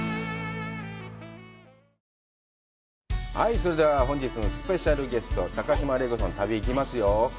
それでは本日のスペシャルゲスト、高島礼子さんの旅、行きますよ。